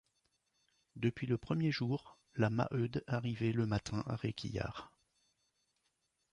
Depuis le premier jour, la Maheude arrivait le matin à Réquillart.